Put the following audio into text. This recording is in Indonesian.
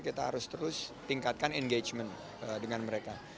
kita harus terus tingkatkan engagement dengan mereka